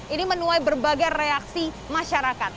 ini menuai berbagai reaksi masyarakat